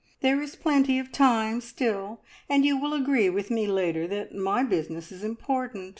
There is plenty of time still, and you will agree with me later that my business is important.